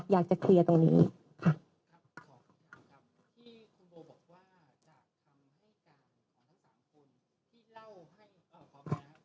อยากจะเคลียร์ตรงนี้ค่ะครับขอคำถามคำที่คุณโบบอกว่า